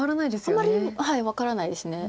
あんまり分からないです。